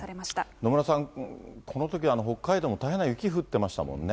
野村さん、このとき北海道も大変な雪降ってましたもんね。